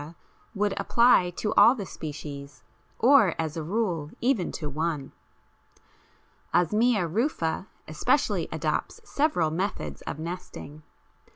would apply to all the species, or, as a rule, even to one. Osmia rufa especially adopts several methods of nesting.